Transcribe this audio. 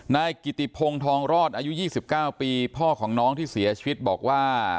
นายกิติพงศ์ทองรอดอายุ๒๙ปีพ่อของน้องที่เสียชีวิตบอกว่า